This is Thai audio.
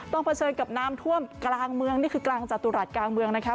เผชิญกับน้ำท่วมกลางเมืองนี่คือกลางจตุรัสกลางเมืองนะครับ